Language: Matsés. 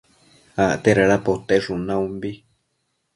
acte dada poteshun naumbi